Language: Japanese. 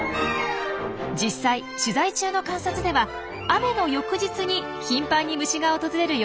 実際取材中の観察では雨の翌日に頻繁に虫が訪れる様子が見られました。